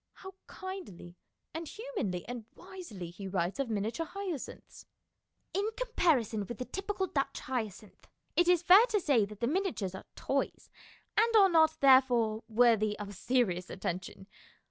How kindly and humanly and wisely he writes of miniature hyacinths :" In comparison with the typical Dutch hyacinth it is fair to say that the miniatures are toys, and are not, therefore, worthy of serious attention.